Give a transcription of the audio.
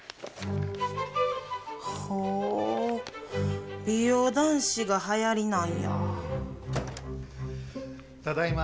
ほー、美容男子がはやりなんだ。